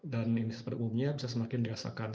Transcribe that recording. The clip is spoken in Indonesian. dan ini sepertumnya bisa semakin dirasakan